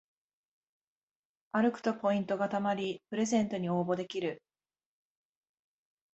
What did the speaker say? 歩くとポイントがたまりプレゼントに応募できる